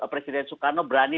presiden soekarno berani